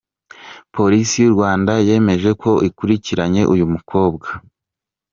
Polisi y’u Rwanda yemeje ko ikurikiranye uyu mukobwa.